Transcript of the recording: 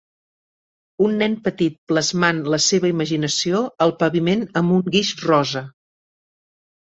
Un nen petit plasmant la seva imaginació al paviment amb un guix rosa.